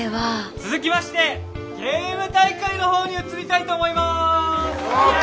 続きましてゲーム大会のほうに移りたいと思います。